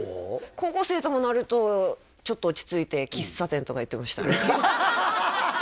高校生ともなるとちょっと落ち着いて喫茶店とか行ってましたね